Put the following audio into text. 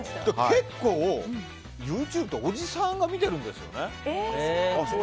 結構、ＹｏｕＴｕｂｅっておじさん多いみたいなんですよね。